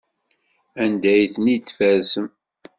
Anda ay ten-id-tfarsem?